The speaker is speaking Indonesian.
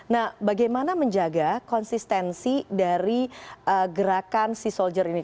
nah bagaimana menjaga konsistensi dari gerakan sea soldier ini